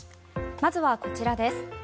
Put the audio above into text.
まずはこちらです。